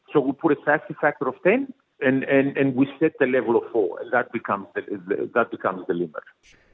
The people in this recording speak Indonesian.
jadi kita menetapkan faktor keamanan sepuluh dan kita menetapkan level empat dan itu menjadi limit